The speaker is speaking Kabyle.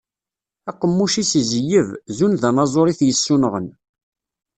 Aqemmuc-is izeyyeb, zun d anaẓur i t-yessunɣen.